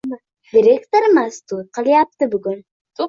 Direktorimiz toʻy qilyapti bugun